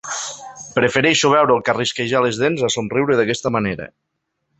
Prefereixo veure'l carrisquejar les dents a somriure d'aquesta manera.